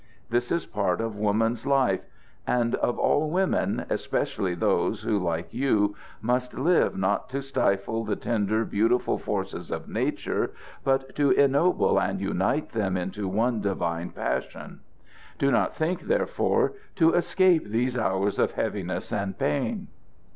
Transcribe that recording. This is part of woman's life, and of all women, especially those who, like you, must live not to stifle the tender, beautiful forces of nature, but to ennoble and unite them into one divine passion. Do not think, therefore, to escape these hours of heaviness and pain.